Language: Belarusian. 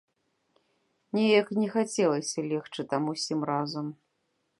Неяк не хацелася легчы там усім разам.